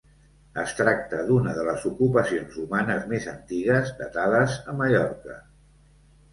Es tracta d'una de les ocupacions humanes més antigues datades a Mallorca.